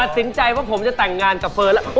สินใจว่าผมจะแต่งงานกับเฟิร์นแล้ว